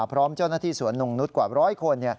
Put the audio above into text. พร้อมเจ้าหน้าที่สวนนงนุษย์กว่าร้อยคน